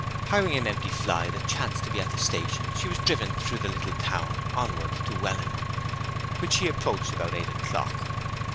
Hiring an empty fly that chanced to be at the station she was driven through the little town onward to Welland, which she approached about eight o'clock.